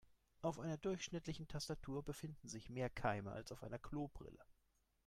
Auf einer durchschnittlichen Tastatur befinden sich mehr Keime als auf einer Klobrille.